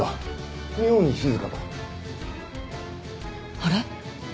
あれ？